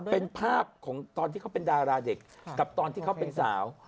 เป็นภาพของตอนที่เขาเป็นดาราเด็กกับตอนที่เขาเป็นสาว